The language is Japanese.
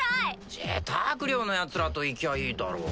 ジェターク寮のヤツらと行きゃいいだろ。